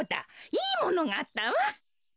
いいものがあったわ。